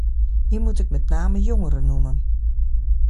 Hier moet ik met name jongeren noemen.